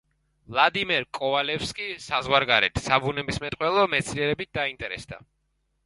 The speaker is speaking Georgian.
ვლადიმერ კოვალევსკი საზღვარგარეთ საბუნებისმეტყველო მეცნიერებებით დაინტერესდა.